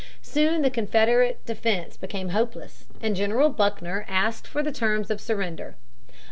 Soon the Confederate defense became hopeless, and General Buckner asked for the terms of surrender.